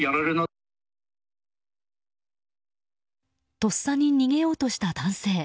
とっさに逃げようとした男性。